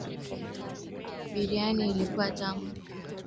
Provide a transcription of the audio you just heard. Biyana biri iba bintu bia ku fanya nabio Kaji ku mashamba